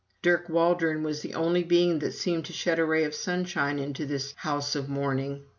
Dirk Waldron was the only being that seemed to shed a ray of sunshine into this house of mourning.